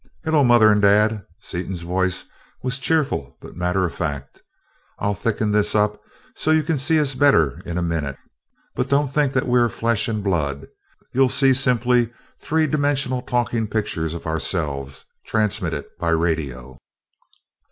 "Hello, mother and dad," Seaton's voice was cheerful but matter of fact. "I'll thicken this up so you can see us better in a minute. But don't think that we are flesh and blood. You'll see simply three dimensional talking pictures of ourselves, transmitted by radio."